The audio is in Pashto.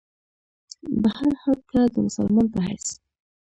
بهرحال کۀ د مسلمان پۀ حېث